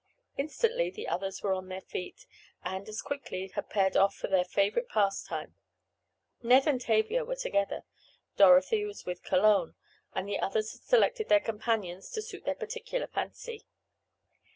Instantly the others were on their feet, and, as quickly had paired off for their favorite pastime. Ned and Tavia were together, Dorothy was with Cologne, and the others had selected their companions to suit their particular fancy.